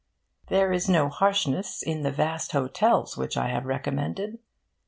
There is no harshness in the vast hotels which I have recommended.